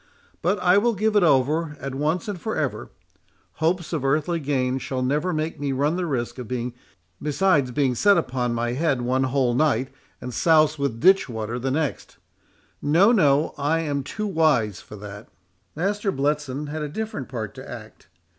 But I will give it over, at once and for ever; hopes of earthly gain shall never make me run the risk of being carried away bodily by the devil, besides being set upon my head one whole night, and soused with ditch water the next—No, no; I am too wise for that." Master Bletson had a different part to act.